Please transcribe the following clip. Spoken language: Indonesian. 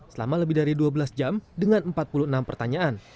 selama lebih dari dua belas jam dengan empat puluh enam pertanyaan